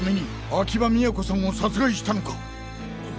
秋葉都さんを殺害したのか。